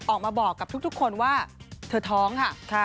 ออกมาบอกกับทุกคนว่าเธอท้องค่ะ